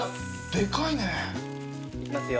でかいね。いきますよ。